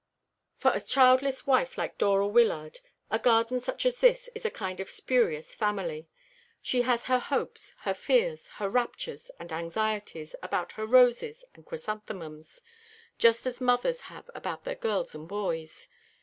For a childless wife like Dora Wyllard a garden such as this is a kind of spurious family. She has her hopes, her fears, her raptures and anxieties about her roses and chrysanthemums, just as mothers have about their girls and boys.